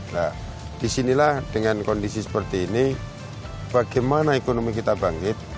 nah disinilah dengan kondisi seperti ini bagaimana ekonomi kita bangkit